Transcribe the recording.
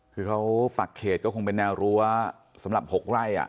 คือเขาปักเขตก็คงเป็นแนวรั้วสำหรับ๖ไร่